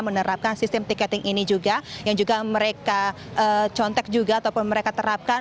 menerapkan sistem tiketing ini juga yang juga mereka contek juga ataupun mereka terapkan